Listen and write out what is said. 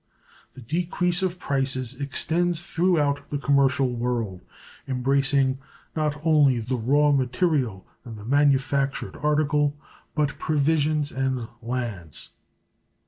The decrease of prices extends throughout the commercial world, embracing not only the raw material and the manufactured article, but provisions and lands.